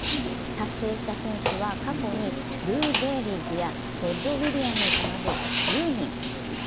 達成した選手は過去にルー・ゲーリッグやテッド・ウィリアムズなど１０人。